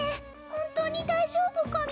本当に大丈夫かな。